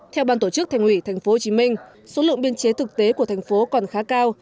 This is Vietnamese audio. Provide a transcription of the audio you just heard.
theo ban tổ chức thành ủy tp hcm số lượng biên chế thực tế của thành phố còn khá cao